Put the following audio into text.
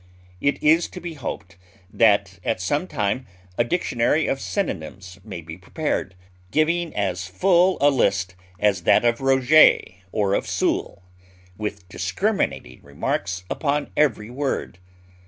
It is to be hoped that at some time a dictionary of synonyms may be prepared, giving as full a list as that of Roget or of Soule, with discriminating remarks upon every word.